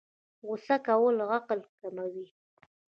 غوسه کول عقل کموي